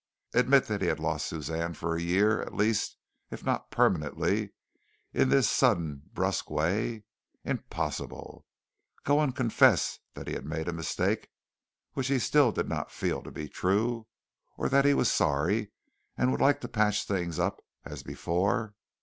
Admit that he had lost Suzanne for a year at least, if not permanently, in this suddenly brusque way? Impossible. Go and confess that he had made a mistake, which he still did not feel to be true? or that he was sorry and would like to patch things up as before?